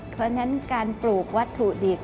เพราะฉะนั้นการปลูกวัตถุดิบ